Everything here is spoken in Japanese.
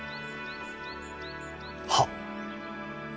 はっ。